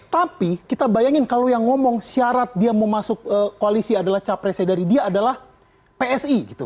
tapi kita bayangin kalau yang ngomong syarat dia mau masuk koalisi adalah capresnya dari dia adalah psi gitu